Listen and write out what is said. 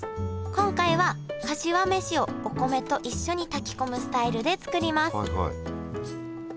今回はかしわ飯をお米と一緒に炊き込むスタイルで作ります。